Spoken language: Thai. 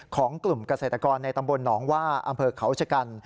ของกลุ่มเกษตรกรในตำบลหนองว่าอำเภอเขาชะกัน